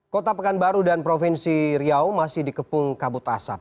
kota pekanbaru dan provinsi riau masih dikepung kabut asap